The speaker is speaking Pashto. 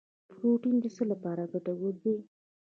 پروټین د څه لپاره ګټور دی